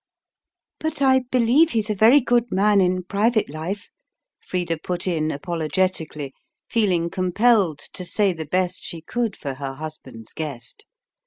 "But I believe he's a very good man in private life," Frida put in apologetically, feeling compelled to say the best she could for her husband's guest.